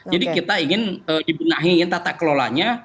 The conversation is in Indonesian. jadi kita ingin dibenahiin tata kelolanya